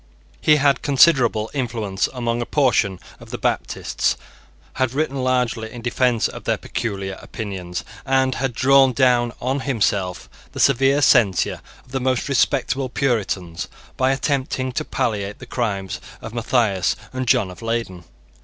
He had considerable influence among a portion of the Baptists, had written largely in defence of their peculiar opinions, and had drawn down on himself the severe censure of the most respectable Puritans by attempting to palliate the crimes of Matthias and John of Leyden.